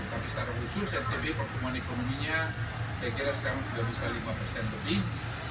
tapi secara khusus ntb pertumbuhan ekonominya saya kira sekarang sudah bisa lima persen lebih